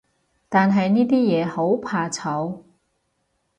但係呢啲嘢，好怕醜